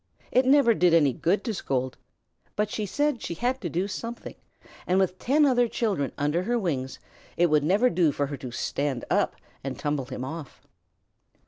It never did any good to scold, but she said she had to do something, and with ten other children under her wings it would never do for her to stand up and tumble him off.